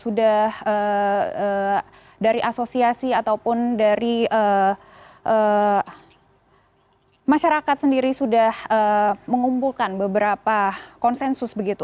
sudah dari asosiasi ataupun dari masyarakat sendiri sudah mengumpulkan beberapa konsensus begitu